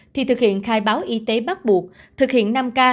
thì thực hiện khai báo y tế bắt buộc thực hiện năm k